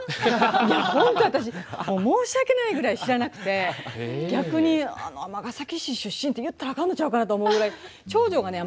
いや本当私申し訳ないぐらい知らなくて逆にあの尼崎市出身って言ったらあかんのちゃうかなと思うぐらい。